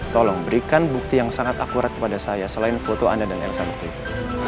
tolong berikan bukti yang sangat akurat kepada saya selain foto anda dan elsam itu